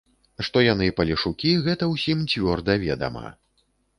Што яны палешукі, гэта ўсім цвёрда ведама.